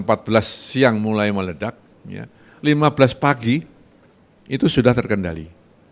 pukul empat belas siang mulai meledak lima belas pagi itu sudah terkendali